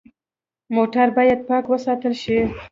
موټر باید پاک وساتل شي.